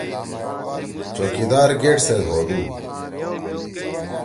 چوکیِدار گیٹ سیت ہودُو۔